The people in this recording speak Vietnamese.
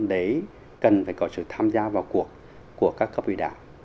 đấy cần phải có sự tham gia vào cuộc của các cấp ủy đảng